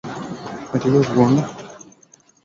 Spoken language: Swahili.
unatakiwa kuunda akaunti yako kwenye wavuti